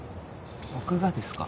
僕がですか？